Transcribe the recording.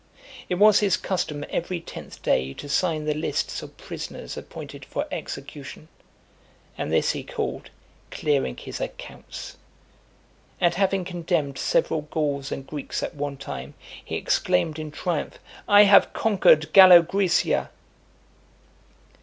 It was his custom every tenth day to sign the lists of prisoners appointed for execution; and this he called "clearing his accounts." And having condemned several Gauls and Greeks at one time, he exclaimed in triumph, "I have conquered Gallograecia."